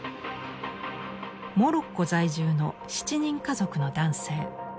モロッコ在住の７人家族の男性。